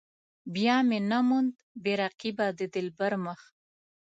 بیا مې نه موند بې رقيبه د دلبر مخ.